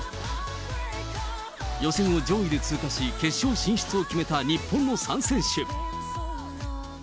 予選を上位で通過し、決勝進出を決めた日本の３選手。